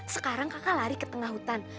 sekarang kakak lari ke tengah hutan